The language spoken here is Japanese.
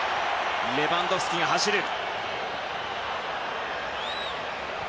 レバンドフスキが走る。